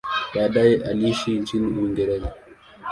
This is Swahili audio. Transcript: Baadaye aliishi nchini Uingereza.